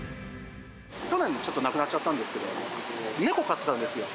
去年、ちょっと亡くなっちゃったんですけど、猫飼ってたんですよ。